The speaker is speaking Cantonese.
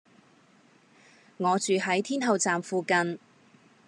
我住喺天后站附近